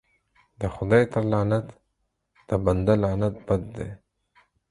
د خداى تر لعنت د بنده لعنت بد دى.